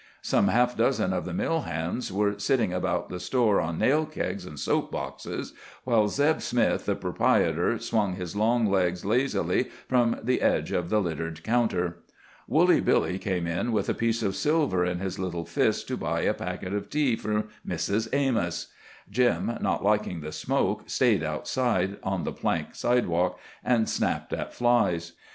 Some half dozen of the mill hands were sitting about the store on nail kegs and soap boxes, while Zeb Smith, the proprietor, swung his long legs lazily from the edge of the littered counter. Woolly Billy came in with a piece of silver in his little fist to buy a packet of tea for Mrs. Amos. Jim, not liking the smoke, stayed outside on the plank sidewalk, and snapped at flies.